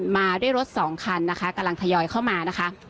มาด้วยรถสองคันกำลังทยอยเข้ามา